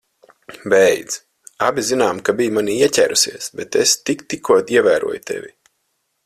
Beidz. Abi zinām, ka biji manī ieķērusies, bet es tik tikko ievēroju tevi.